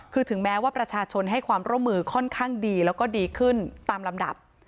คือถึงแม้ว่าประชาชนให้ความร่วมมือค่อนข้างดีแล้วก็ดีขึ้นตามลำดับ